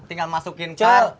tinggal masukin kar